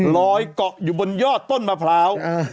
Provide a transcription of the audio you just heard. เกาะอยู่บนยอดต้นมะพร้าว